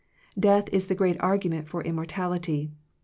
Death is the great argument for im mortality.